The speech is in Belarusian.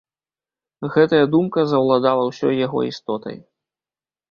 Гэтая думка заўладала ўсёй яго істотай.